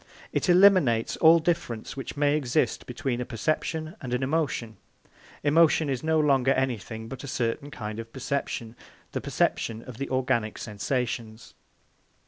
It eliminates all difference which may exist between a perception and an emotion. Emotion is no longer anything but a certain kind of perception, the perception of the organic sensations.